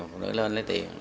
phụ nữ lên lấy tiền